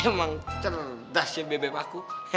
emang cerdas ya bebep aku